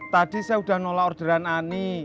tadi saya sudah nolak orderan ani